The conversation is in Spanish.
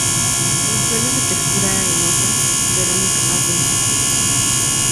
En suelos de textura arenosa "Veronica arvensis".